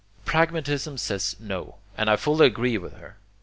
Pragmatism says no, and I fully agree with her.